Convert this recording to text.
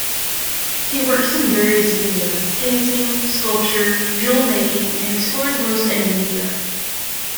He works in various media, painting, sculpture, jewel making and explores most any media.